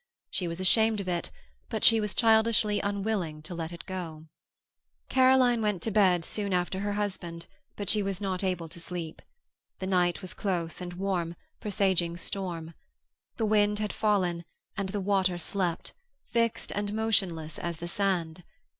She was ashamed of it, but she was childishly unwilling to let it go. Caroline went to bed soon after her husband, but she was not able to sleep. The night was close and warm, presaging storm. The wind had fallen, and the water slept, fixed and motionless as the sand.